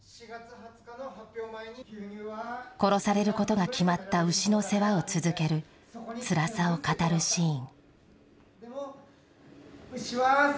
殺されることが決まった牛の世話を続けるつらさを語るシーン。